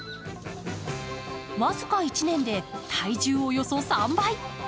僅か１年で体重およそ３倍。